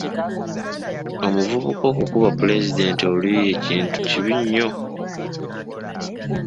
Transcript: Omuvubuka okukuba Pulezidenti oluyi ekintu kibi nnyo.